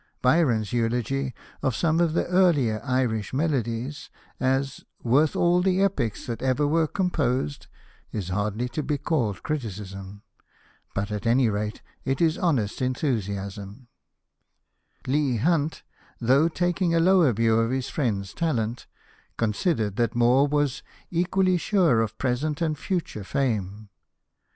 Byron's eulogy of some of the earlier Irish Melodies as " worth all the epics that ever were composed," is hardly to be called criticism. But at any rate it is honest Hosted by Google X rOETRY OF THOMAS MOORE enthusiasm. Leigh Hunt, though taking a lower view of his friend's talent, considered that Moore was "equally sure of present and future fame."